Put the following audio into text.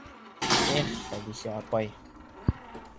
Их, Хәҙисә апай...